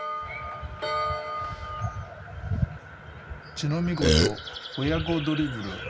「乳飲児と母子ドリブル